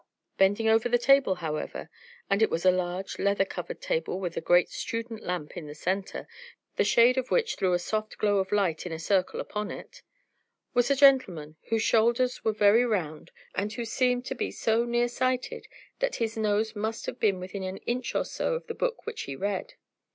Bending over the table, however, (and it was a large, leather covered table with a great student lamp in the center, the shade of which threw a soft glow of light in a circle upon it) was a gentleman whose shoulders were very round and who seemed to be so near sighted that his nose must have been within an inch or so of the book which he read.